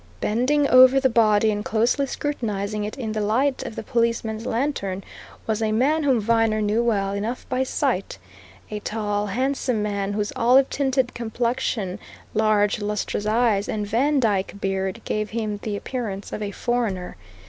Bending over the body and closely scrutinizing it in the light of the policeman's lantern was a man whom Viner knew well enough by sight a tall, handsome man, whose olive tinted complexion, large lustrous eyes and Vandyke beard gave him the appearance of a foreigner.